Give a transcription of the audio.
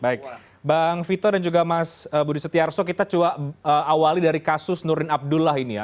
baik bang vito dan juga mas budi setiarso kita coba awali dari kasus nurdin abdullah ini ya